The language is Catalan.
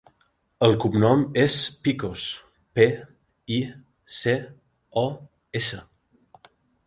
El cognom és Picos: pe, i, ce, o, essa.